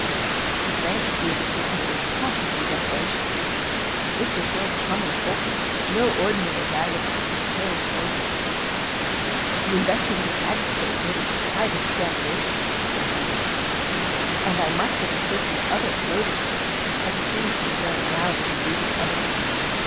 The glance he gave the prisoner was positively deferential. This was no common culprit, no ordinary vagabond, no vulgar thief. "The investigating magistrate orders a private examination," continued the clerk, "and I must get the prisoner other clothing, as the things he is wearing now will be used as evidence.